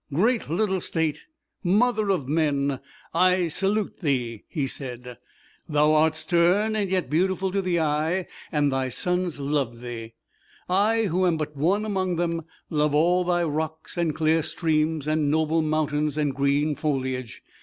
"Great little state, mother of men, I salute thee!" he said. "Thou art stern and yet beautiful to the eye and thy sons love thee! I, who am but one among them, love all thy rocks, and clear streams, and noble mountains and green foliage!